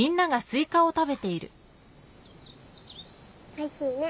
おいしいね。